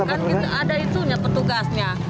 enggak kan ada itu petugasnya